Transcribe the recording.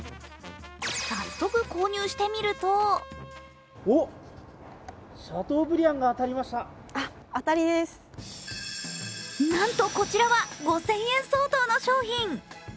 早速、購入してみるとなんとこちらは５０００円相当の商品。